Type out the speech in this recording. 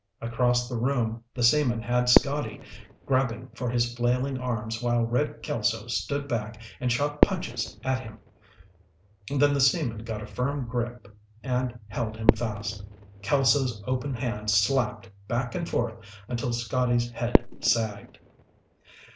Across the room, the seamen had Scotty, grabbing for his flailing arms while Red Kelso stood back and shot punches at him. Then the seamen got a firm grip and held him fast. Kelso's open hand slapped, back and forth, until Scotty's head sagged.